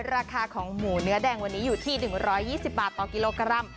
ราคาของหมูเนื้อแดงวันนี้อยู่ที่๑๒๐บาทต่อกิโลกรัม